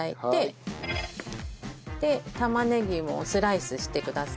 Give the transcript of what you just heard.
で玉ねぎもスライスしてください。